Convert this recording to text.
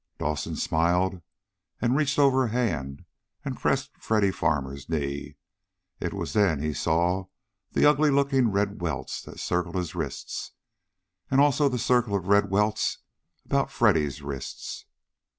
Dawson smiled and reached over a hand and pressed Freddy Farmer's knee. It was then he saw the ugly looking red welts that circled his wrists. And also the circle of red welts about Freddy's wrists.